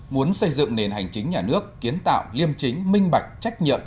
muốn xây dựng nền hành chính nhà nước kiến tạo liêm chính minh bạch trách nhận